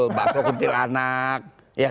ada bakso kuntilanak